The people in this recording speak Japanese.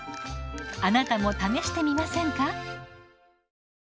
あなたも試してみませんか？